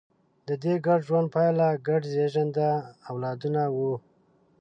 د دې ګډ ژوند پایله ګډ زېږنده اولادونه وو.